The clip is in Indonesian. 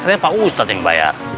karena pak ustadz yang bayar